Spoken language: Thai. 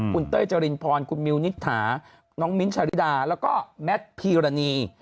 คุณเต้ยจรินพรคุณมิวนิษฐาน้องมิ้นท์ชาริดาแล้วก็แมทพีรณี